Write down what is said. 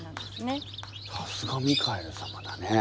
さすがミカエル様だね。